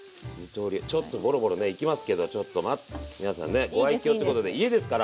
ちょっとゴロゴロねいきますけどちょっと待って皆さんねご愛きょうということで家ですから。